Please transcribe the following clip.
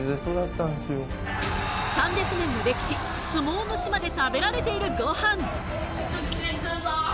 ３００年の歴史相撲の島で食べられているゴハン。